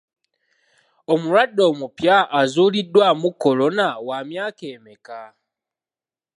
Omulwadde omupya azuuliddwamu kolona wa myaka emeka?